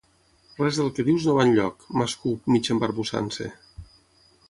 Res del que dius no va enlloc —m'escup, mig embarbussant-se—.